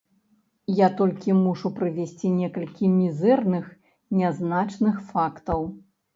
Я толькі мушу прывесці некалькі мізэрных, нязначных фактаў.